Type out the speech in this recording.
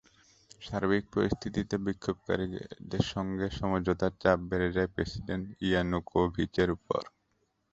সার্বিক পরিস্থিতিতে বিক্ষোভকারীদের সঙ্গে সমঝোতার চাপ বেড়ে যায় প্রেসিডেন্ট ইয়ানুকোভিচের ওপর।